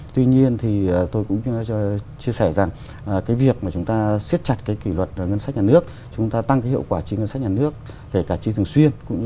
tuy nhiên thì tôi cũng chia sẻ rằng cái việc mà chúng ta siết chặt cái kỷ luật ngân sách nhà nước chúng ta tăng cái hiệu quả chi ngân sách nhà nước kể cả chi thường xuyên